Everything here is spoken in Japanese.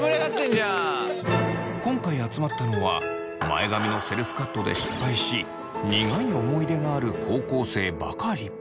今回集まったのは前髪のセルフカットで失敗し苦い思い出がある高校生ばかり。